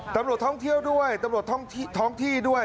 ตำรวจท่องเที่ยวด้วยตำรวจท้องที่ด้วย